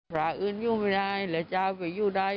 พระอื่นโยไม่ได้แต่ชาวโยชนตายนะ